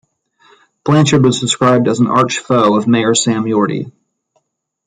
Blanchard was described as an "arch-foe" of Mayor Sam Yorty.